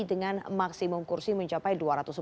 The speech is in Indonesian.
dengan maksimum kursi mencapai dua ratus sepuluh